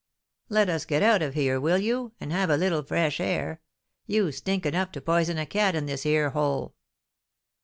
Let us get out of here, will you, and have a little fresh air. You stink enough to poison a cat in this here hole!"